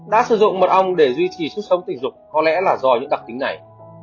đã sử dụng mật ong để duy trì sức sống tình dục có lẽ là do những đặc tính này